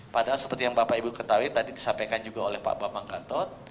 padahal seperti yang bapak ibu ketahui tadi disampaikan juga oleh pak bambang gatot